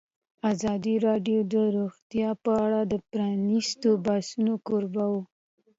ازادي راډیو د روغتیا په اړه د پرانیستو بحثونو کوربه وه.